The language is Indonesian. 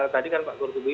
tadi kan pak rutibi